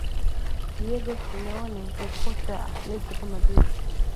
diego simeone ni kocha wa athletico madrid